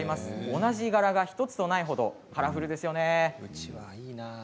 同じ柄が１つとないほどカラフルですよね。